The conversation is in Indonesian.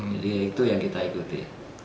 jadi itu yang kita ikuti